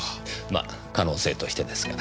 まっ可能性としてですが。